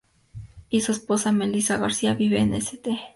El y su esposa Melissa Garcia viven en St.